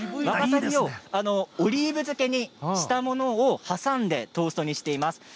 ワカサギをオリーブ漬けにしたものを挟んでトーストにしています。